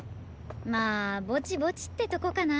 まあぼちぼちってとこかな。